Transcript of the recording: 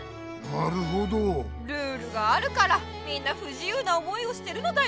ルールがあるからみんなふじゆうな思いをしてるのだよ。